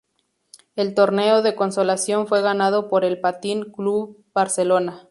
El Torneo de Consolación fue ganado por el Patín Club Barcelona.